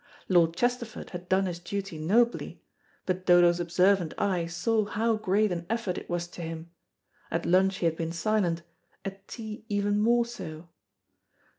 Lord Chesterford had done his duty nobly, but Dodo's observant eye saw how great an effort it was to him; at lunch he had been silent, at tea even more so.